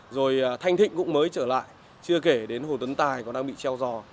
rồi thanh thịnh cũng mới trở lại chưa kể đến hồ tuấn tài còn đang bị treo giò